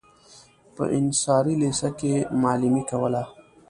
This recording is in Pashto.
په انصاري لېسه کې معلمي کوله.